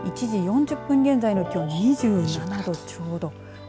１時４０分現在の気温２７度ちょうど。